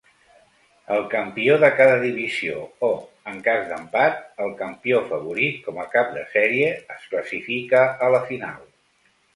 El campió de cada divisió o, en cas d'empat, el campió favorit com a cap de sèrie es classifica a la final.